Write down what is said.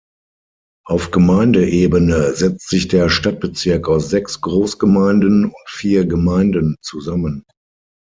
Auf Gemeindeebene setzt sich der Stadtbezirk aus sechs Großgemeinden und vier Gemeinden zusammen.